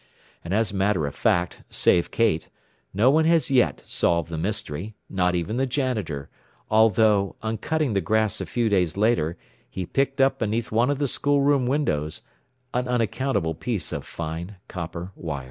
And as a matter of fact, save Kate, no one has yet solved the mystery, not even the janitor, although on cutting the grass a few days later he picked up beneath one of the school room windows an unaccountable piece of fine copper wire.